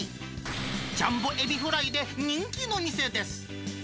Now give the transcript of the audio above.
ジャンボエビフライで人気の店です。